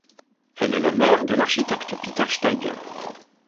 Elle est la mère de l'architecte Peter Steiger.